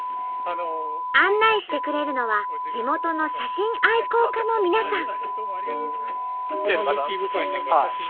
案内してくれるのは地元の写真愛好家の皆さん。